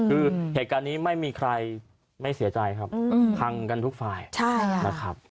คือเหตุการณ์นี้ไม่มีใครไม่เสียใจครับพังกันทุกฝ่ายนะครับ